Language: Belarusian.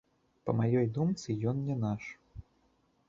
Па маёй думцы, ён не наш.